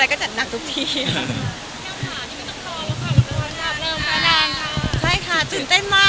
มุมล่วยน่ะก่อนสร้างต่อมา